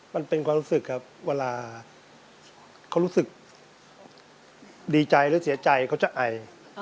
มันเป็นความรู้สึกครับเวลาเขารู้สึกดีใจหรือเสียใจเขาจะไอ